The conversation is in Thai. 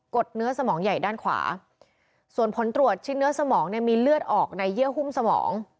ดเนื้อสมองใหญ่ด้านขวาส่วนผลตรวจชิ้นเนื้อสมองเนี่ยมีเลือดออกในเยื่อหุ้มสมอง